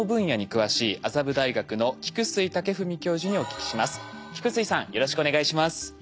よろしくお願いします。